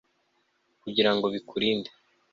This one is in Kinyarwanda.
Kugira ngo bikurinde